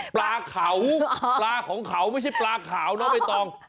ปลาขาวปลาของขาวไม่ใช่ปลาขาวเนอะไม่ต้อง